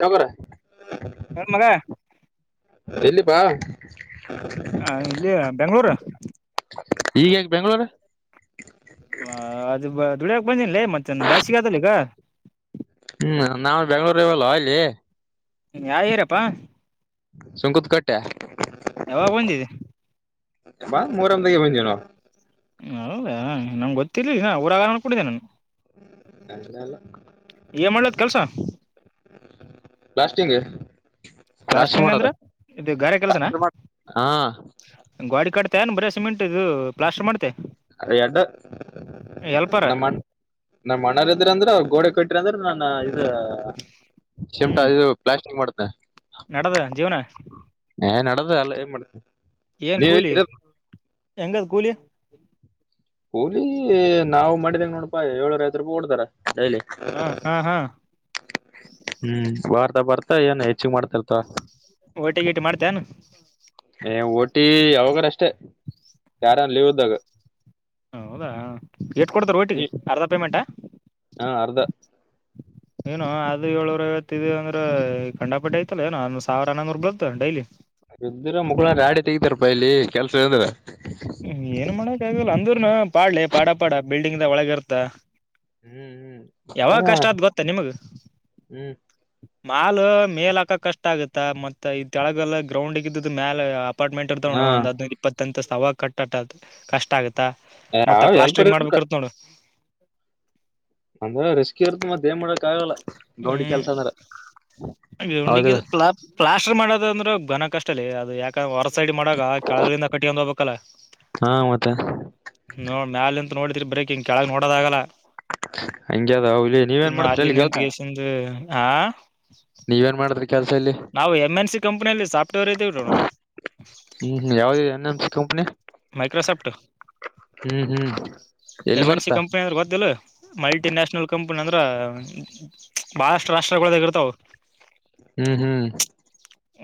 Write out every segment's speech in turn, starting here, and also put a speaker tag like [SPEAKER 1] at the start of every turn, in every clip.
[SPEAKER 1] [unintelligible]
[SPEAKER 2] ಏನ್ ಮಗ
[SPEAKER 1] [unintelligible] ಯಲ್ಲಿ ಬಾ
[SPEAKER 2] ಇಲ್ಲಿ ಬೆಂಗಳೂರು
[SPEAKER 1] ಈಗ ಯಾಕ ಬೆಂಗ್ಗಳೂರು?
[SPEAKER 2] ಹ ಅದು ದುಡಿಯಕ್ ಬಂದಿಂನ್ಲೆ ಮತ್ತ ಬೇಸಿಗೆ ಅದಲ ಈಗ
[SPEAKER 1] ಹ್ಮ್ ನಾವು ಬೆಂಗ್ಗಳೂರು ಇವಲ್ವಾ ಅಲ್ಲಿ
[SPEAKER 2] ಯಾವ ಏರಿಯಾ ಪ್ಪಾ
[SPEAKER 1] ಸುಂಕದಕಟ್ಟೆ
[SPEAKER 2] ಯಾವಾಗ ಬಂದಿದೆ
[SPEAKER 1] ಬಾ ಮೂರೊಂದಾಗೆ ಬಂದೇ ನೋಡು
[SPEAKER 2] ಹೌದಾ ನಮ್ಗೆ ಗೊತ್ತಿರ್ಲಿಲ್ಲ ನಮಗ ಗೊತ್ತಿರ್ಲಿಲ್ಲ ಊರಾಗ ಅವ್ನ್ ಅಂದ್ಕೊಂಡಿದ್ದೆ ನಾನು ಏನ್ ಮಾಡ್ಲತ್ ಕೆಲ್ಸ
[SPEAKER 1] [unintelligible] [unintelligible] ಪ್ಲಾಸ್ಟಿಂಗ್ಗೆ
[SPEAKER 2] ಪ್ಲಾಸ್ಟಿಂಗ ಅಂದ್ರ ಇದು ಗಾರೆ ಕೆಲಸನ
[SPEAKER 1] ಹಾ
[SPEAKER 2] ಗ್ವಾಡಿ ಕಟ್ಟದ್ಯಾ ಬರೀ ಸಿಮೆಂಟ್ ಇದು ಪ್ಲಾಸ್ಟರ್ ಮಾಡ್ತೀಯ
[SPEAKER 1] [unintelligible]
[SPEAKER 2] ಎಲ್ಪರ
[SPEAKER 1] [unintelligible] ನಮ್ಮಣ ನಾಮಣ್ಣರ್ ಇದ್ರ ಅಂದ್ರೆ ಅವ ಗೋಡೆ ಕೊಟ್ರ ಅಂದ್ರ ನಾನ ಇದ ಶಿಮಟಾ
[SPEAKER 2] ಹ್ಮ್
[SPEAKER 1] ಇದ್ ಪ್ಲಾಸ್ಟಿಕ್ ಮಾಡುತ್ತೆ
[SPEAKER 2] ನಡದ ಜೀವನ
[SPEAKER 1] ಏ ನೆಡದದ ಅಲ್ಲ ಏನ್ ಮಾಡ್ತಿ
[SPEAKER 2] ಏನ್ ಕೂಲಿ ಹೆಂಗದ ಕೂಲಿ
[SPEAKER 1] ಕೂಲಿ ನಾವು ಮಾಡಿದಂಗ ನೋಡಪಾ ಎಳ್ನೂರಾ ಐವತ್ ರೂಪಾಯಿ ಕೊಡ್ತಾರ ಡೈಲಿ
[SPEAKER 2] ಹಾ ಹಾ ಹಾ
[SPEAKER 1] ಹ್ಮ್ ಬರ್ತ ಬರ್ತಾ ಏನ್ ಹೆಚ್ಚು ಮಾಡ್ತಿಲ್ಪ
[SPEAKER 2] ಓಟಿ ಗೀಟಿ ಮಾಡ್ತೀಎನ
[SPEAKER 1] ಏ ಓಟಿ ಯಾವಾಗಾರಷ್ಟೇ ಯಾರನ್ ಲೀವ್ದಾಗ
[SPEAKER 2] ಹಾ ಹೌದಾ ಎಷ್ಟು ಕೊಡ್ತಾರ ಒಟಿಗೆ
[SPEAKER 1] ನೀ
[SPEAKER 2] ಅರ್ಧ ಪೇಮೆಂಟಾ
[SPEAKER 1] ಹಾ ಅರ್ಧ
[SPEAKER 2] ಏನು ಆದ್ರ ಏಳ್ನೂರ ಐವತ್ತದು ಅಂದ್ರೆ ಗಂಡಾಪಟ್ಟಿ ಐ್ತಲ್ಲ ಏನೋಂದ ಸಾವಿರ ನನೂರ್ ಬಲತ ಡೈಲಿ
[SPEAKER 1] ಇದ್ದ್ರ ಮುಗಳ ರಾಡಿ ತೆಗತಾರಪ್ಪಾ ಇಲ್ಲಿ ಕೆಲ್ಸ ಅಂದ್ರ
[SPEAKER 2] ಹು ಏನ್ ಮಾಡೋಕ್ ಆಗಲ್ಲಾ ಅಂದ್ರುನು ಪಾಡ್ಲೆ ಪಾಡ ಪಾಡ ಬಿಲ್ಡಿಂಗ್ ದ ಒಳಗ ಇರ್ತ.
[SPEAKER 1] ಹ್ಮ್ ಹ್ಮ್
[SPEAKER 2] ಯಾವಾಗ
[SPEAKER 1] ಅಂದ್ರ
[SPEAKER 2] ಕಷ್ಟ ಆತ ಗೊತ್ತ ನಿಮ್ಗ.
[SPEAKER 1] ಹ್ಮ್
[SPEAKER 2] ಮಾಲ ಮೇಲ್ ಹಾಕಕ್ ಕಷ್ಟ ಆಗತ್ತ ಮತ್ತ ಈ ತೆಳಗೆಲ್ಲಾ ಗ್ರೌಂಡಗಿದ್ದಿದ್ದ ಮ್ಯಾಲ. ಅಪಾರ್ಟ್ಮೆಂಟ್ಲ
[SPEAKER 1] ಹಾ
[SPEAKER 2] ತಗೋವ ಒಂದ ಹದೈದ ಇಪ್ಪತ್ತ ಅಂತತ್ಸ್ ಅವಾಗ ಕಟ್ಟಕ ಕಷ್ಟ ಆಗುತ್ತ. ತ್ತ ಮತ್ತ
[SPEAKER 1] ಯಾವ ಎಲ್ಪರ್
[SPEAKER 2] ಪ್ಲಾಸ್ಟ್ರಿಕ್
[SPEAKER 1] ಇರ್ಬೇಕ
[SPEAKER 2] ಮಾಡ್ಬೇಕ ಇರ್ತ್ ನೋಡ.
[SPEAKER 1] ಅಂದ್ರ ರಿಸ್ಕರ್ತ್ತ ಮತ್ತ ಏನ್ ಮಾಡಕ್ ಆಗಲ್ಲಾ ಗೌಂಡಿ ಕೆಲ್ಸ ಅಂದ್ರ.
[SPEAKER 2] ಗೌಂಡಿ
[SPEAKER 1] ಹೌದಿಲ್ಲ
[SPEAKER 2] ಪ್ಲಾ. ಪ್ಲಾಸ್ಟರ್ ಮಾಡೋದ ಅಂದ್ರಘನ ಕಷ್ಟ ಅಲ್ಲಿ ಅದು ಯಾಕಂದ್ರ ಹೊರ ಸೈಡ್ ಮಾಡಾಗ ಕೆಳಗಳಿಂದ ಕಟ್ಟಿಕೊಂಡು ಹೋಗಬೇಕು. ಕಲ
[SPEAKER 1] ಹಾ ಮತ್ತ.
[SPEAKER 2] ನೋಡ್ ಮ್ಯಾಲಂತ ನೋಡಿದ್ರಿ ಬ್ರೇಕಿಂಗ್ ಕೆಳಗ್ ನೋಡೋದಾಗಲ್ಲಾ.
[SPEAKER 1] ಹಂಗೆ ಅದ ಇಲ್ಲಿ ನೀವೇನ್
[SPEAKER 2] ಇನ್ನ
[SPEAKER 1] ಮಾಡ್ತೀರಿ
[SPEAKER 2] ಅಲ್ಲಿ
[SPEAKER 1] ಇಲ್ಲಿ ಕೆಲ್ಸ
[SPEAKER 2] ನಿಂತಿಗೆಸಿಂದ ಆ.
[SPEAKER 1] ನೀವ ಏನ್ ಮಾಡಿದ್ರಿ. ಕೆಲ್ಸ ಇಲ್ಲಿ
[SPEAKER 2] ನಾವು ಎಂ ಎನ್ ಸಿ ಕಂಪನಿಯಲ್ಲಿ ಸಾಫ್ಟ್ವೇರ್ ಇದೀವ ನೋಡು.
[SPEAKER 1] ಹು ಯಾವಗಿದೆ N M C company.
[SPEAKER 2] Microsoft
[SPEAKER 1] ಹು ಹು ಎಲ್ಲಿ ಬರ್ತ.
[SPEAKER 2] ಪಯಾರ್ ಗೊತ್ತಿಲ್ಲ ಮಲ್ಟಿ ನ್ಯಾಷನಲ್ ಕಂಪನಿ ಅಂದ್ರ. ಬಾಳಷ್ಟು ರಾಷ್ಟ್ರಗಳದಾಗ ಇರ್ತಾವ.
[SPEAKER 1] ಹು ಹು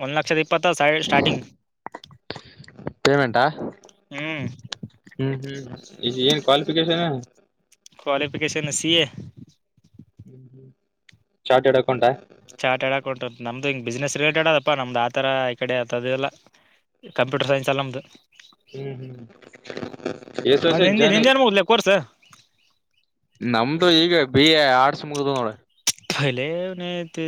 [SPEAKER 2] ಒಂದ್ ಲಕ್ಷದ ಇಪ್ಪತ್ತ ಸ್ಯಾಲರಿ ಸ್ಟಾರ್ಟಿಂಗ್ ಹು.
[SPEAKER 1] ಹು ಹು ಈ ಏನ್ ಕ್ವಾಲಿಫಿಕೇಶನ್.
[SPEAKER 2] Qualification C A.
[SPEAKER 1] ಹು ಹು ಚಾರ್ಟೆಡ್ ಅಕೌಂಟಾ.
[SPEAKER 2] ಚಾರ್ಟೆಡ್ ಅಕೌಂಟ್ ನಮ್ದು ಹಿಂಗ ಬಿಸ್ನೆಸ್ ರಿಲೇಟೆಡ್ ಅದಪ್ಪ ನಮ್ದ್ ಆತರಾ ಈ ಕಡೆ ಆತದದಿಲ್ಲಾ. ಕಂಪ್ಯೂಟರ್ ಸೈನ್ಸ್ ಅಲ್ಲ ನಮ್ದು.
[SPEAKER 1] ಹ್ಮ್ ಹ್ಮ್ ಎಷ್ಟ್
[SPEAKER 2] ಅ
[SPEAKER 1] ವರ್ಷ ಆಯ್ತ್
[SPEAKER 2] ನಿಂದ
[SPEAKER 1] ಜಾಯ್ನ್ ಆಗಿ
[SPEAKER 2] ನಿಂದೆನ್ ಮುಗಲಿ ಕೋರ್ಸ.
[SPEAKER 1] ನಮ್ದು ಈಗ ಬಿ ಎ ಆರ್ಟ್ಸ್ ಮುಗುದುವ ನೋಡ.
[SPEAKER 2] ಅಲೆ ಇವನೈತಿ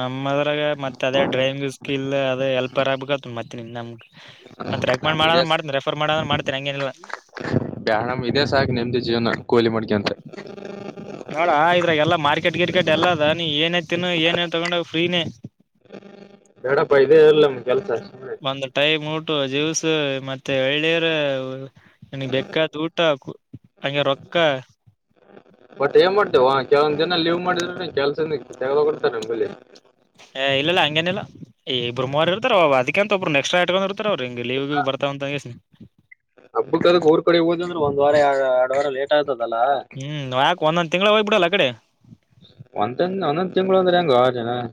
[SPEAKER 2] ನಮ್ಮದ್ರಾಗ ಮತ್ತು ಅದೇ ಡ್ರೈವಿಂಗ್ ಸ್ಕಿಲ್ ಅದೇ ಎಲ್ಪರ್ ಆಗ್ಬೇಕ. ಮತ್ತೆ ನಿಮ್ಮನಮ. ಮಾಡ ಮಾಡ ಅಂದ್ರ ಮಾಡತೇನಿ ರೆಫರ್ ಮಾಡ ಅಂದ್ರ ಮಾಡತೇನಿ ಹಂಗೇನು ಇಲ್ಲಾ.
[SPEAKER 1] ಬ್ಯಾಡಮ ಇದೆ ಸಾಕ ನೆಮ್ದಿ ಜೀವನಾ ಕೋಲಿ ಮಾಡಿಕೆಂತ.
[SPEAKER 2] ನೋಡ ಇದ್ರಾಗ ಎಲ್ಲಾ ಮಾರ್ಕೆಟ್ ಗಿರ್ಕೆಟ್ ಎಲ್ಲ ಅದ ನೀ ಏನೇ ತಿನ್ನ ಏನೇ ತಗೊಂಡ ಫ್ರೀನೇ.
[SPEAKER 1] ಹು ಬೇಡಪ್ಪಾ ಇದೆ ಇರ್ಲಿ ನಮಗ ಕೆಲ್ಸ.
[SPEAKER 2] ಒಂದ ಟೈ ಮೂಟು ಜ್ಯೂಸ್ ಮತ್ತೆ ಎಳ್ನೀರ. ನಿನಿಗೆ ಬೆಕ್ಕಾದ ಊಟ ಹಂಗೆ ರೊಕ್ಕಾ.
[SPEAKER 1] ಬಟ್ ಏನ್ ಮಾಡ್ತೇವೊ ಕೆಲವಂದ ಜನ ಲೀವ್ ಮಾಡಿದ್ರ ಕೆಲ್ಸನ ತೆಗ್ದಬಿಡ್ತಾರ ಒಮ್ಮಿಲೇ.
[SPEAKER 2] ಏ ಇಲ್ಲ ಇಲ್ಲಾ ಹಂಗೇನಿಲ್ಲಾ ಇಬ್ಬರು ಮೂವರ ಇರ್ತರಲ್ಲ ಅದಕ್ಕೆ ಅಂತ ಒಬ್ರು ಎಕ್ಸ್ಟ್ರಾ ಇಟ್ಕೊಂಡಿರ್ತ. ತಾರ ಅವರು ಲೀವ್ ಗಿವ್ ಬರುತವ ಅಂತ ಅಂದಗೆಸ್.
[SPEAKER 1] ಹಬ್ಬಕ್ಕದಕ ಊರ ಕಡೆ ಹೋದ ಅಂದ್ರ ಒಂದ ವಾರ ಎರಡ ವಾರ ಲೇಟ್ ಆಗ್ತದಲ್ಲಾ.
[SPEAKER 2] ಹು ಯಾಕ ಒಂದೊಂದ ತಿಂಗಳ ಹೋಗುಬಿಡಲ ಅಕಡೆ.
[SPEAKER 1] ಒಂದಂದ ಒಂದೊಂದ್ ತಿಂಗಳು ಅಂದ್ರ ಹೆಂಗೋ ನೀ ಏನ್.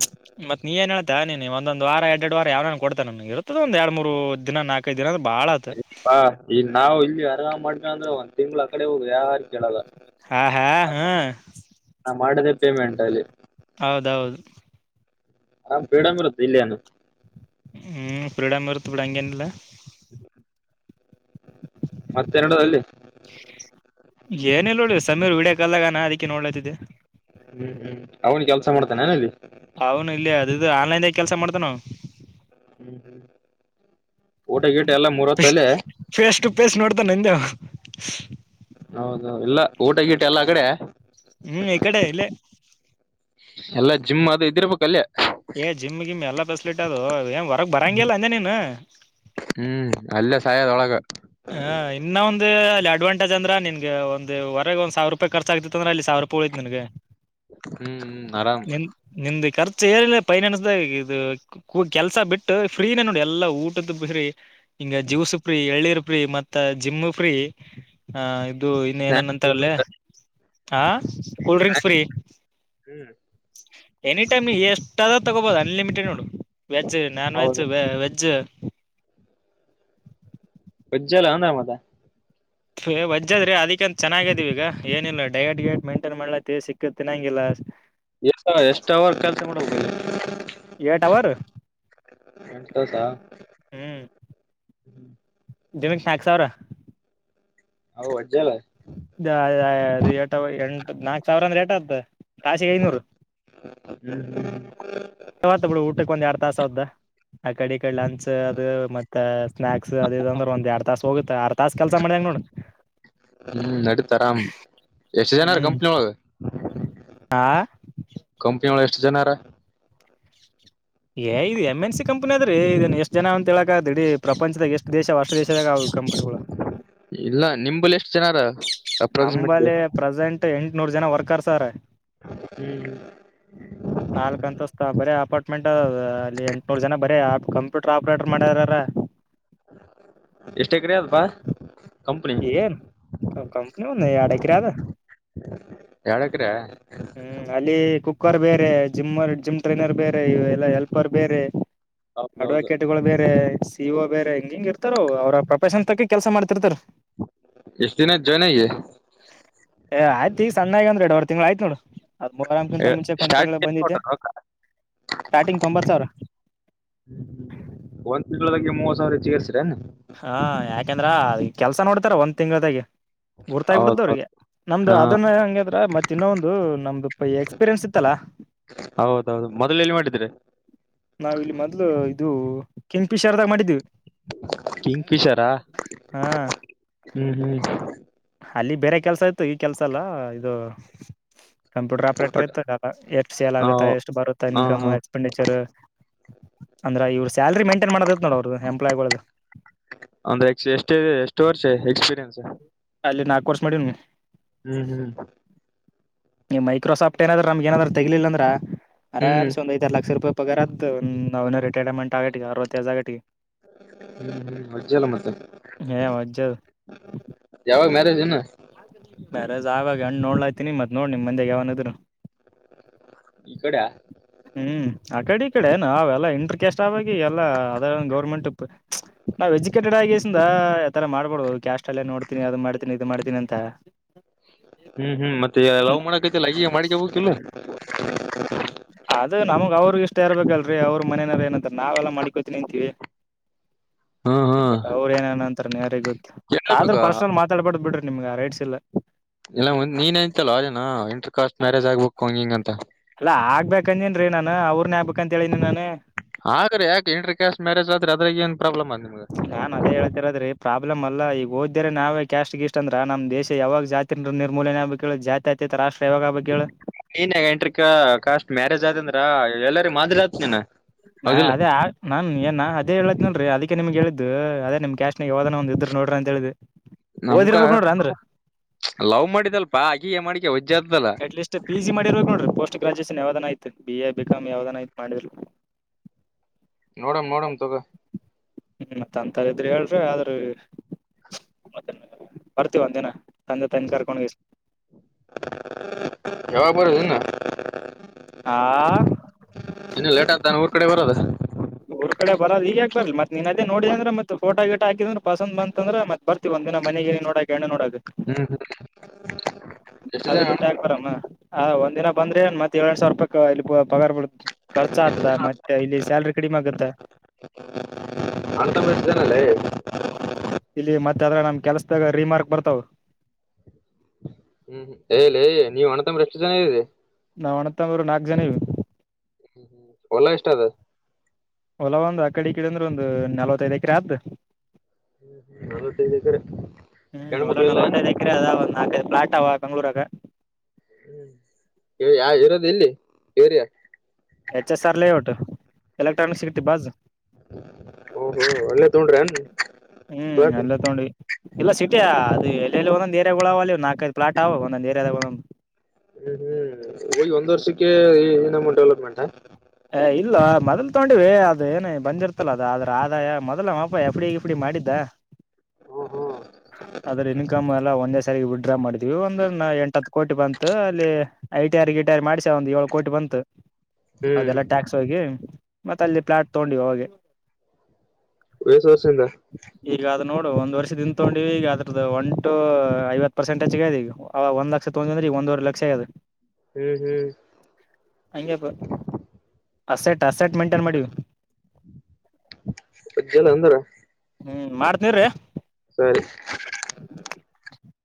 [SPEAKER 2] ಮತ್ತ ನೀಏನ್ ಹೇಳ್ತಿ ನೀ ಒಂದ್ ವಾರ ಎರ ಎರಡ್ ವಾರಾ ಯಾವ ಕೊಡ್ತನ ನನ್ಗ ಇರತ್ತದ ಒಂದ ಎರಡ್ ಮೂರು ದಿನ ನಾಕು. ಕ ದಿನ ಅದ ಬಾಳ ಆತ.
[SPEAKER 1] ಪಾ ಈ ನಾವು ಇಲ್ಲಿ ಆರಾಮ್ ಮಾಡದವಂದ್ರ ಒಂದ್ ತಿಂಗ್ಗಳ ಅಕಡೆ ಹೋಗ್ ಯಾರ್ ಕೇಳಲ್ಲಾ.
[SPEAKER 2] ಹಾ ಹಾ ಹುಂ
[SPEAKER 1] ನಾ ಮಾಡಿದೇ ಪೇಮೆಂಟ್ ಅಲ್ಲಿ
[SPEAKER 2] ಹೌದೌದು
[SPEAKER 1] ಆರಾಮ್ ಪ್ರೀಡಂಗ್ರುತ್ತೆ ಇಲ್ಲಿಯ ಏನು
[SPEAKER 2] ಹುಂ ಫ್ರೀಡಂ ಇರುತ್ತ ಬಿಡ ಹಂಗೇನಿಲ್ಲಾ
[SPEAKER 1] ಮತ್ತೆರಡು ಅಲ್ಲಿ
[SPEAKER 2] ಏನಿಲ್ಲ ನೋಡಿ ಸಮೀರ್ ವಿಡಿಯೋ ಕಾಲದಾಗ ಆನ್ ಅದಕ್ಕೆ ನೋಡ್ಲಾತಿದ್ದೆ
[SPEAKER 1] ಹ್ಮ್ ಹ್ಮ್ ಅವ್ನ್ ಕೆಲ್ಸ ಮಾಡ್ತಾನೆ ಅಲ್ಲಿ
[SPEAKER 2] ಅವನು ಇಲ್ಲಿ ಅದ ಆನ್ಲೈನ್ ದಾಗ ಕೆಲಸ ಮಾಡತನಾ ಅವನು
[SPEAKER 1] ಹುಂ ಹುಂ
[SPEAKER 2] ಫೇಸ್ ಟು ಫೇಸ್ ನೋಡ್ತಾ ನಂದೆವಾ
[SPEAKER 1] ಹೌದು ಹೌದ ಇಲ್ಲಾ ಊಟ ಗೀಟಾ ಎಲ್ಲಾ ಆಕಡೆ
[SPEAKER 2] ಹುಂ ಇಕಡೆ ಇಲ್ಲಾ
[SPEAKER 1] ಎಲ್ಲಾ ಜಿಮ್ ಆದ ಇದಿರ್ಬೇಕು ಅಲ್ಯ
[SPEAKER 2] ಏ ಜಿಮ್ ಗಿಮ್ ಎಲ್ಲಾ ಫೆಸಲಿಟಿ ಅದು ಏನ್ ಹೊರಗ್ ಬರಂಗಿಲ್ಲ ಅಂದೆ ನೀನು
[SPEAKER 1] ಹುಂ ಅಲ್ಲೇ ಸಾಯದೊಳಗ
[SPEAKER 2] ಹಾ ಇನ್ನ ಒಂದು ಅಡ್ವಾಂಟಜ್ ಅಂದ್ರೆ ನಿನ್ಗೆ ಒಂದುರೆಗೆ ಒಂದು ಸಾವಿರ ರೂಪಾಯಿ ಖರ್ಚ ಆಗತಿತ್ತ ಅಂದ್ರ ಅಲ್ಲಿ ಸಾವಿರ ರೂಪಾಯಿ ಉಳಿತ ನೀನ್ ಗ
[SPEAKER 1] ಹುಂ ಹುಂ ಆರಾಮ್
[SPEAKER 2] ನಿಮ್ದು ಖರ್ಚ ಏರಿಲ್ಲ ಫೈನಾನ್ಸ್ ದಾಗ ಇದು ಕೂ ಕೆಲ್ಸ ಬಿಟ್ಟು ಫ್ರೀನ ನೋಡಿ ಎಲ್ಲಾ ಊಟದ ಪ್ರಿ ಹಿಂಗ ಜ್ಯೂಸ ಪ್ರಿ ಎಳ್ಳಿರ್ ಫ್ರೀ ಮತ್ತ ಜಿಮ್ಮು ಫ್ರೀ ಆ ಇದು ಇನ್ನ
[SPEAKER 1] ಸ್ನಾಕ್ಸ್.
[SPEAKER 2] ಏನೆನ್ಂತಾರಲ್ಲೇ ಹಾ ಕೂಲ್ ಡ್ರಿಂಕ್ಸ್ ಫ್ರೀ
[SPEAKER 1] ಹ್ಮ್
[SPEAKER 2] ಎನಿ ಟೈಮ್ ಎಷ್ಟಾದ ತಗೋಬಹುದು ಅನ್ ಲಿಮಿಟೆಡ್ ನೋಡು ವೆಜ್ಜ್ ನಾನ್ ವೆಜ್ಜ್
[SPEAKER 1] ಹೌದು
[SPEAKER 2] ವೆಜ್ಜ್
[SPEAKER 1] ವಜ್ಜಲ್ ಅಂದ ಮತ್
[SPEAKER 2] ವಜ್ಜದ್ರಿ ಅದಿಂತ ಚೆನ್ನಾಗಿದಿವವಿ ಈಗ ಏನಿಲ್ಲ ಡಯಟ್ ಗೇಟ್ ಮೈಂಟೈನ್ ಮಾಡ್ಲತ್ತ ಸಿಕ್ಕದ ತಿನ್ನಂಗಿಲ್ಲಾ
[SPEAKER 1] ಎ ಎಷ್ಟ ಅವರ್ ಕೆಲ್ಸ ಮಾಡಬೇಕರೀ
[SPEAKER 2] ಏಟ್ ಅವರ್
[SPEAKER 1] [unintelligible]
[SPEAKER 2] ಹುಂ ದಿನಕ್ ನಾಕ್ ಸಾವಿರ
[SPEAKER 1] ಹೌ ವಜ್ಜಲ್
[SPEAKER 2] ದು ಎಂಟ ಅವು ನಾಕ್ ಸಾವಿರ ಅಂದ್ರೆ ಎಟ್ ಆತ ತಾಸಿಗೆ ಐನೂರು
[SPEAKER 1] ಹ [inaudible]
[SPEAKER 2] ಯಾವತ ಬಿ ಊಟಕ್ಕೆ ಒಂದ್ ಎರಡ್ ತಾಸ ಹದ್ದ ಆ ಕಡೆ ಇಕಡ್ ಲಂಚ್ ಅದು ಮತ್ತ ಸ್ನಾಕ್ಸ್ ಅದ ಅಂದ್ರೆ ಒಂದ್ ಎರಡ್ ತಾಸ್ ಹೋಗುತ್ತೆ ಆರ ತಾಸ ಕೆಲ್ಸ ಮಾಡ್ಯಂಗ ನೋಡು
[SPEAKER 1] ಹ್ಮ್ ನಡೀತ ಆರಾಮ್ ಎಷ್ಟ ಜನರ
[SPEAKER 2] ಹ್ಮ್
[SPEAKER 1] ಕಂಪ್ನಿ ಒಳಗ
[SPEAKER 2] ಆ
[SPEAKER 1] ಕಂಪ್ನಿ ಒಳಗ ಎಷ್ಟ ಜನರ ಆರ್
[SPEAKER 2] ಏ ಇದು ಎಮ್ ಎನ್ ಸಿ ಕಂಪನಿ ಅದ್ರೀ ಇದನ್ ಎಷ್ಟ್ ಜನ ಅಂತ ಹೇಳಕ್ ಇಡೀ ಪ್ರಂಚದಾಗ ಎಷ್ಟ್ ದೇಶ ವಾರತ ದೇಶದಾಗ ಕಂಪನಿಗಳು
[SPEAKER 1] ಇಲ್ಲ ನಿಂಬಲ್ಲಿ ಎಷ್ಟ ಜನಾರ ಅಪ್ರಾಕ್ಸಿಮೇಟ್
[SPEAKER 2] ನಂಬಲ್ಲಿ ಪ್ರೆಸೆಂಟ್ ಎಂಟುನೂರ್ ಜನ ವರ್ಕರ್ಸ್ರ ಆರ್
[SPEAKER 1] ಹುಂ
[SPEAKER 2] ನಾಲ್ಕ್ ಅಂತಸ್ತ ಬರೀ ಅಪಾರ್ಟ್ಮೆಂಟ್ ಅ ಅಲ್ಲಿ ಎಂಟುನೂರ್ ಜನ ಬರೇ ಕಂಪ್ಯೂಟರ್ ಆಪ್ರೇಟರ್ ಮಾಡ್ಯಾರಾರ
[SPEAKER 1] ಎಷ್ಟ ಎಕ್ರೆಯದಪ್ಪಾ
[SPEAKER 2] ಏನ್ ಕ ಕಂಪ್ನಿ ಒಂದು ಯಾಡ್ ಎಕ್ರೆ ಆದ್.
[SPEAKER 1] ಯಾಡ್ ಎಕ್ರೆ.
[SPEAKER 2] ಹ್ಮ್ ಅಲ್ಲಿ ಕುಕ್ಕರ್ ಬೇರೆ ಜಿಮ್ರ್ ಜಿಮ್ ಟ್ರೈನರ್ ಬೇರೆ ಎಲ್ಲಾ ಹೆಲ್ಪರ್ ಬೇರೆ
[SPEAKER 1] ಹೌದೌದು
[SPEAKER 2] ಅಡ್ವಕೇಟ್ಗಳು ಬೇರೆ ಇವ ಬೇರೆ ಹಿಂಗ್ ಹಿಂಗ್ ಇರ್ತಾರ ಅವ್ ಅವರ ಪ್ರೊಫಷನ್ ತಕ್ಕ ಕೆಲಸ ಮಾಡ್ತಿರ್ತಾರ.
[SPEAKER 1] ಎಷ್ಟ ದಿನ ಐತ್ ಜ್ವಾನ್ ಆಗಿ.
[SPEAKER 2] ಏ ಆಯ್ತ ಈಗ ಸಣ್ಣಾಗಿ ಅಂದ್ರ ಎರಡ್ ವರಿ ತಿಂಗಳ ಆಯಿತ್ ನೋಡು. ಅದ್ ಕುಂದರಕಿನ ಮುಂಚೆಕ ಒಂದ ತಿಂಗಳ
[SPEAKER 1] ಸ್ಟಾರ್ಟಿಂಗ್ ಎಷ್ಟ್
[SPEAKER 2] ಬಂದಿದ್ದೆ
[SPEAKER 1] ಕೊಟ್ಟಾರ ರೊಕ್ಕ
[SPEAKER 2] ಸ್ಟಾರ್ಟಿಂಗ್ ತೊಂಬತ್ ಸಾವ್ರ.
[SPEAKER 1] ಒಂದ್ ತಿಂಗಳಾಗೆ ಮೂವತ್ ಸಾವ್ರ ಹೆಚ್ಚಿಗ್ ಏರ್ಸಿರೆನ್.
[SPEAKER 2] ಹಾ ಯಾಕಂದ್ರ ಕೆಲ್ಸ ನೋಡ್ತಾರ ಒಂದ್ ತಿಂಗ್ಳದಾಗೆ ಗುರ್ತಾಗಬಿಡ್ದ
[SPEAKER 1] ಹೌದೌದು
[SPEAKER 2] ಅವ್ರಿಗ. ನಮ್ದು
[SPEAKER 1] ಹಾ
[SPEAKER 2] ಅದನ್ನ ಹೆಂಗದ್ರ ಮತ್ತ ಇನ್ನ ಒಂದು ನಮ್ದು ಪೈ ಎಕ್ಸ್ಪೀರಿಯನ್ಸ್ ಇತ್ತಲ್ಲಾ.
[SPEAKER 1] ಹೌದೌದು ಮೊದಲ್ ಎಲ್ಲಿ ಮಾಡಿದ್ರಿ.
[SPEAKER 2] ನಾವ ಇಲ್ಲಿ ಮೊದ್ಲು ಇದು ಕಿಂಗ್ಫಿಶರ್ದಾಗ ಮಾಡಿದೀವಿ.
[SPEAKER 1] ಕಿಂಗ್ ಫಿಶರಾ
[SPEAKER 2] [unintelligible] ಹಾ
[SPEAKER 1] ಹ್ಮ್ ಹ್ಮ್
[SPEAKER 2] ಅಲ್ಲಿ ಬೇರೆ ಕೆಲ್ಸ ಇತ್ತು ಈ ಕೆಲ್ಸ ಅಲ್ಲ ಇದು ಕಂಪ್ಯೂಟರ್ ಆಪ್ ಬಿಟ್ರ
[SPEAKER 1] ಬಟ್
[SPEAKER 2] ಇತ್ತ ಅಲ್ ಎಲ್ಲಾ ಎಷ್ಟು ಸೇಲ್
[SPEAKER 1] ಹಾ
[SPEAKER 2] ಆಗುತ್ತಾ ಎಷ್ಟು ಬರುತ್ತ ಇನ್ ಕಮ್
[SPEAKER 1] ಹಾ
[SPEAKER 2] ಎಕ್ಸ್ಪೆಂಡಿಚರ್ ಅಂದ್ರ ಇವ್ರ ಸ್ಯಾಲ್ರಿ ಮೈಂಟೈನ್ ಮಾಡದೀತ್ ನೋಡ ಅವರ್ ದು ಎಂಪ್ಲಾಯಿಗೋಳಿಗಿ.
[SPEAKER 1] ಅಂದ್ರೆ ಎಸ್ಟ್ ಎಷ್ಟ ಇದೆ ಎಷ್ಟು ವರ್ಷ ಎಕ್ಸ್ಪೀರಿಯನ್ಸ್.
[SPEAKER 2] ಅಲ್ಲಿ ನಾಲ್ಕು ವರ್ಷ ಮಾಡಿ ನೀ.
[SPEAKER 1] ಹ್ಮ್ ಹ್ಮ್
[SPEAKER 2] ನೀ ಮೈಕ್ರೋಸಫ್ಟ ಏನಾದ್ರೂ ನಮಗೇನಾದ್ರೂ ತೆಗಿಲಿಲ್ಲ ಅಂದ್ರ
[SPEAKER 1] ಹ್ಮ್ ಹ್ಮ್
[SPEAKER 2] ಆರಂಸೆ ಒಂದ್ ಐದ್ ಎ ಲಕ್ಷ ರೂಪಾಯಿ ಪಗಾರ್ ಆತದ ನಾವ್ ಹಿನಾ ರಿಟೈರ್ಮೆಂಟ್ ಆಗಟಿಗೆ ಅರವತ್ ಏಜ್ ಆಗಟಿಗೇ.
[SPEAKER 1] ಹ್ಮ್ ಹ್ಮ್ ವಜ್ಜಿ ಅಲ್ ಮತ್ತ
[SPEAKER 2] ಏ ವಜ್ಜ
[SPEAKER 1] ಯಾವಾಗ ಮ್ಯಾರೇಜ್ ಇನ್.
[SPEAKER 2] ಮ್ಯಾರೇಜ್ ಆಬೆಕ್ ಹೆಣ್ ನೋಡ್ಲಾತಿನ ಮತ್ ನೋಡ್ ನಿಮ್ ಮಾಂದ್ಯಾಗ್ ಯಾವನ ಇದ್ದರ.
[SPEAKER 1] ಇಕಡ್ಯಾ.
[SPEAKER 2] ಹ್ಮ್ ಆ ಕಡ ಈ ಕಡ ಎನ್ ನಾವೆಲ್ಲಾ ಇಂಟ್ರ ಕೆಸ್ ಆಬೆಕ್ ಈಗೆಲ್ಲ ಅದ ಗೌರ್ಮೆಂಟ್ ನಾವ ಎಜುಕೇಟೆಡ್ ಆಗಿ ಕೇಸಿಂದ್ ಇತರ ಮಾಡಬಾಡದೊ ಕ್ಯಾಸ್ಟ್ ಅಲ್ಲೆ ನೋಡ್ತೀನಿ ಅದು ಮಾಡ್ತೀನಿ ಇದು ಮಾಡ್ತೀನಿ ಅಂತ. ತ್ತ
[SPEAKER 1] ಹ್ಮ್ ಹ್ಮ್ ಮತ್ತ ಲವ್ ಮಾಡಕತಿಯಲ್ಲ ಅಕಿಗೆ ಮಾಡಿಕ್ಯಬೇಕೀಲ್. [unintelligible]
[SPEAKER 2] ಅದ ನಮಗ್ ಅವ್ರಗ ಇಷ್ಟ ಇರಬೇಕಲ್ರೀ ಅವ್ರ ಮನ್ಯನರ್ ಏನಂತಾರ ನಾವೆಲ್ಲ ಮಾಡಕೋತಿನಿ ಅಂತೀವಿ.
[SPEAKER 1] ಹಾ
[SPEAKER 2] ಬಟ್ ಅವರ್ ಏನೇನ್ ಅಂತರ ಎನ್ ಯಾರಿಗ್ ಗೊತ್ತ ಆದ್ರ
[SPEAKER 1] ಕೇಳಬೇಕು
[SPEAKER 2] ಪರ್ಸನಲ್ ಮಾತಾಡ್ಬಾರ್ದ್ ಬಿಡ್ರಿ ನಿಮ್ಗ ಯಾರ್ -
[SPEAKER 1] ಇಲ್ಲ ಮತ್ ನೀನೆ ಅಂತೀಯಲ್ಲೊ ನಿನ ಇಂಟರ್ ಕಾಸ್ಟ್ ಮ್ಯಾರೇಜ್ ಆಗ್ಬೇಕು ಹಂಗ ಹಿಂಗ ಅಂತ.
[SPEAKER 2] ಅಲ್ಲಾ ಆಗ್ಬೇಕ ಅಂದೇನ್ರೀ ನಾನ ಅವ್ರನೇ ಆಗ್ಬೇಕಂತ ಹೇಳಿನಿ ನಾನ.
[SPEAKER 1] ಆಗ್ರಿ ಯಾಕ್ ಇಂಟ್ರ ಕ್ಯಾಸ್ ಮ್ಯಾರೇಜ ಆದ್ರ ಅದ್ರಾಗ್ ಎನ್ ಪ್ರಾಬ್ಲಮ ಆದ್ ನಿಮಗ.
[SPEAKER 2] ನಾನ್ ಅದೇ ಹೇಳ್ತಿರದ್ರೀ ಪ್ರಾಬ್ಲಮ್ ಅಲ್ಲ ಈಗ ಓದ್ದೇ ನಾವೇ ಕ್ಯಾಸ್ಟ್ ಗಿಷ್ಟ ಅಂದ್ರ ನಮ್ ದೇಶ ಯಾವಾಗ ಜಾತಿ [unintelligible] ನಿರ್ಮೂಲನೆ ಆಗ್ಬೇಕೇಳು ಜಾತ್ಯತೀತ ರಾಷ್ಟ್ರ ಯಾವಾಗ್ ಆಬೆಕ್ ಹೇಳ.
[SPEAKER 1] ನೀನೆ ಎಂಟ್ರಕ್ ಕಾಸ್ಟ್ ಮ್ಯಾರೇಜ್ ಆದ ಅಂದ್ರ ಎಲ್ಲರಿಗ ಮಾದರಿ ಆತ್ ನೀನ.
[SPEAKER 2] ಮ್ಯ ಅದೇ ಆಗ್. ನಾನ್ ಏನ್ ನಾ ಅದೇ ಹೇಳದ್ನನ್ರಿ ಅದೀಕ್ಕೆ ನಿಮ್ಗೆ ಹೇಳಿದ್ದು ಅದೇ ನಿಮ್ ಕ್ಯಾಸ್ಟ್ ನ್ಯಾಗ ಯಾವದಾನ ಒಂದ ಇದ್ರ್ ನೋಡ್ರಿ ಅಂತ ಹೇಳಿದ್
[SPEAKER 1] ನಮ್ಕ ಲವ್ ಮಾಡಿದಲ್ಪಾ ಅಕಿಗೆ ಮಾಡಿಕ್ಯ ವಜ್ಜಿ ಆತದಲ್
[SPEAKER 2] ಅಟ್ ಲೀಸ್ಟ್ ಪಿಜಿ ಮಾಡಿರ್ಬೇಕ ನೋಡ್ರಿ ಪೋಸ್ಟ್ ಗ್ರಾಜುಯೇಷನ್ ಯಾವದನ ಐತ್ ಬಿ ಎ ಬಿ ಕಾಮ್
[SPEAKER 1] ಹ್ಮ್
[SPEAKER 2] ಯಾವದನ ಐತ್ ಮಾಡಿದ್ರು
[SPEAKER 1] ನೋಡಮ್ ನೋಡಮ್ ತೊಗೊ.
[SPEAKER 2] ಹ್ಮ್ ಮತ್ತ ಅಂತಾರ ಇದ್ರೆ ಹೇಳ್ರಿ ಆದ್ರ. ಮತ್ತ ಬರ್ತಿವ ಒಂದ ದಿನ ತಂದೆ ತಾಯಿನ ಕರ್ಕೊಂಡ.
[SPEAKER 1] [unintelligible]
[SPEAKER 2] ಆ.
[SPEAKER 1] ಇನ್ನ ಲೇಟ್ ಆಗ್ತ ಏನ್ ಊರ್ ಕಡೆ ಬರೋದ.
[SPEAKER 2] ಊರ ಕಡೆ ಬರಲ್ಲ ಈಗ್ ಯಾಕ್ ಬರ್ಲಿ ಮತ್ ನೀನ್ ಅದು ನೋಡಿದಂದ್ರೆತ್ತ ಫೋಟೋ ಗಿಟೊ ಹಾಕಿದೀ ಅಂದ್ರ. ಪಸಂದ್ ಬಂತ ಅಂದ್ರ ಮತ್ ಬರ್ತಿವ ಒಂದಿನ ಮನೆಗಿ ನೋಡಕ್ ಹೆಣ್ಣ ನೋಡಕ್.
[SPEAKER 1] ಹ್ಮ್ ಹ್ಮ್. ಎಷ್ಟು
[SPEAKER 2] ಅದು
[SPEAKER 1] ಜನ
[SPEAKER 2] ಬಿಟ್ಟ ಹಾಕ್ತಾರ ಏನ ಒಂದ ದಿನ ಬಂದ್ರೆ ಮತ್ತ ಏಳ್ ಎರಡ ಸಾವರ ರೂಪಾಯಿ ಇಲ್ಲಿ ಪಗಾರ್ ಬಿಡ್. ಖರ್ಚ
[SPEAKER 1] ಎಷ್ಟು
[SPEAKER 2] ಆಗ್ತದ
[SPEAKER 1] ಜನ
[SPEAKER 2] ಮತ್ತೆ ಇಲ್ಲಿ ಸ್ಯಾಲ್ರಿ ಕಡಿಮೆ ಆಗತ್ತ.
[SPEAKER 1] ಅಂತ. [unintelligible]
[SPEAKER 2] ಇಲ್ಲಿ ಮತ್ತೆ ಅದ್ರ ನಮ್ ಕೆಲ್ಸದಾಗ ರಿಮಾರ್ಕ್ ಬರ್ತಾವ.
[SPEAKER 1] ಹ್ಮ್ ಹ್ಮ್ ಏ ಲೈ ನೀವ ಅಣ್ಣತಂಬ್ರ ಎಷ್ಟು ಜನ ಇದರಿ.
[SPEAKER 2] ನಾವು ಅಣತ್ತಮ್ಮರು ನಾಲ್ಕ್ ಜನ ಇದೀವಿ.
[SPEAKER 1] ಹ್ಮ್ಮ ಹೊಲ ಎಷ್ಟ ಅದ.
[SPEAKER 2] ಹೊಲ ಒಂದು ಆ ಕಡಿ ಕಡೆ ಅಂದ್ರೆ ಒಂದು ನಲವತ್ತೈದ್ ಎಕ್ರೆ ಆಗ್ತದ.
[SPEAKER 1] ಹ್ಮ ಹ್ಮ ನಲ್ವೈತ್ತೈದ ಎಕ್ರೆ
[SPEAKER 2] ಹ್ಮ್ ಹೊಲ
[SPEAKER 1] ಹೆಣ್ಮಕ್ಳು ಇಲ್ ಏನ.
[SPEAKER 2] ನಲ್ವತ್ತೈದ್ ಅದ ಒಂದು ನಾಕ ಐದ ಪ್ಲಾಟ್ ಅವ ಬೆಂಗಳೂರುದಾಗ್.
[SPEAKER 1] ಹ್ಮ್ ಯಾ ಇರೋದು ಇಲ್ಲಿ ಯಾ area.
[SPEAKER 2] H S R layout electronic city ಬಾಜ.
[SPEAKER 1] ಓಹೋ ಒಳ್ಳೆ ತೊಗೊಂಡ್ರ ಏನ್
[SPEAKER 2] ಹ್ಮ್
[SPEAKER 1] ಪ್ಲಾಟ್
[SPEAKER 2] ಅಲ್ಲೇ ತೊಗೊಂಡಿವಿ. ಇಲ್ಲ ಸಿಟಿ ಅದು ಎಲ್ಲೆಲ್ಲಿ ಒಂದೊದ ಏರಗಳು ಅವ ಅಲ್ಲಿ ನಾಕೈಐದು ಪ್ಲಾಟ್ ಅವವು ಒಂದ್ ಏರದ.
[SPEAKER 1] ಹ್ಮ್ ಹ್ಮ್ ಹೋಗಿ ಒಂದ್ ವರ್ಷಕ್ಕೆ ಇ ನಮನಿ ಡೆವಲಪ್ಮೆಂಟ್.
[SPEAKER 2] ಏ ಇಲ್ಲೋ ಮೊದಲ್ ತಗೊಂಡಿವಿ ಅದ ಏನ ಬಂದ್ರ್ತಲ್ಲ ಅದ ಆದ್ರ. ಮೊದಲ ನಮ್ಮ ಎಪ್ಪ ಎಫಡ ಇಫಡಿ ಮಾಡಿದ್ದ. ಅದರ ಇನ್ಕಮ್ ಎಲ್ಲ ಒಂದೇ ಸಾರ ವಿಡ್ಡ್ರಾ ಮಾಡಿದ. ಒಂದ ಎಂಟಹತ್ತ ಕೋಟಿ ಬಂತು ಅಲ್ಲಿ ಐಟಿ ಆರ್ ಗಿಟಿ ಆರ್ ಮಾಡ್ಸ ಒಂದ್ ಏಳು ಕೋಟಿ ಬಂತು.
[SPEAKER 1] ಹ್ಮ್
[SPEAKER 2] ಅದೆಲ್ಲ
[SPEAKER 1] ಹ್ಮ್
[SPEAKER 2] ಟ್ಯಾಕ್ಸ್ ಹೋಗಿ ಮತ್ತೆ ಅಲ್ಲಿ ಪ್ಲಾಟ್ ತೊಗೊಂಡ್ವಿ ಹೋಗಿ.
[SPEAKER 1] ಎಸ್ ವರ್ಷಿಂದ.
[SPEAKER 2] ಈಗ ಅದು ನೋಡು ಒಂದ್ ವರ್ಷ ಹಿಂದ್ ತೊಂಡಿವಿ ಈಗ ಅದ್ರದ ಒಂ ಟು ಐವತ್ತು ಪರ್ಸೆಂಟೇ ಹೆಚ್ಗಿ ಈಗ. ಅವ ಒಂದ ಲಕ್ಷ ತೊಗೊಂಡಿರಿ ಅಂದ್ರ ಈಗ ಒಂದವರೆ ಲಕ್ಷ ಅಗೆದ.
[SPEAKER 1] ಹ್ಮ್ ಹ್ಮ್.
[SPEAKER 2] ಹಂಗೆ. ಅಸೆಟ್ ಅಸೆಟ್ ಮೆಂಟೈನ್ ಮಾಡೀವ.
[SPEAKER 1] ವಜ್ಜೆ ಎಲ್ಲ ಒಂದಾರ.
[SPEAKER 2] ಹ್ಮ್ ಮಾಡ್ತಿನಿ ಇರ.
[SPEAKER 1] ಸರಿ.